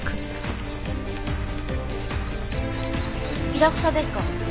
イラクサですか？